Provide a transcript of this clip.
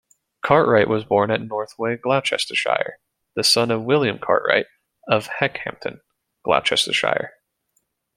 Cartwright was born at Northway, Gloucestershire, the son of William Cartwright of Heckhampton, Gloucestershire.